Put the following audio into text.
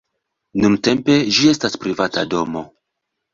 Nuntempe ĝi estas privata domo.